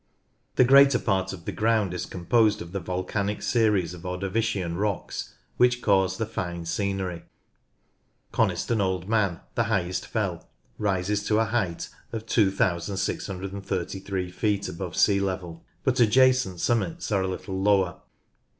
The greater part of the ground is composed of the volcanic series of Ordovician rocks, which cause the fine scenery. Coniston Old Man, the highest fell, rises to a Coniston Lake and the Old Man height of 2633 feet above sea level, but adjacent summits are little lower.